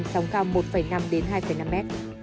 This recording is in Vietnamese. sóng cao một năm hai năm m